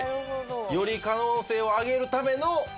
より可能性を上げるための申告敬遠。